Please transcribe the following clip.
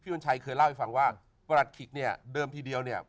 วัญชัยเคยเล่าให้ฟังว่าประหลัดขิกเนี่ยเดิมทีเดียวเนี่ย